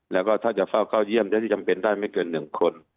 แล้วก็ถ้าจะเฝ้าเข้าเยี่ยมได้ที่จำเป็นได้ไม่เกิน๑คน